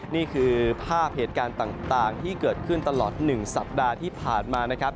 นี่คือภาพเหตุการณ์ต่างที่เกิดขึ้นตลอด๑สัปดาห์ที่ผ่านมานะครับ